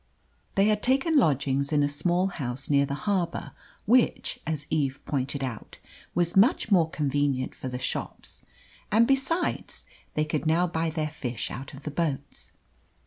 They had taken lodgings in a small house near the harbour, which, as Eve pointed out, was much more convenient for the shops; and, besides, they could now buy their fish out of the boats.